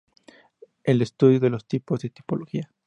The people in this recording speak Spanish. El estudio de los tipos es la tipología.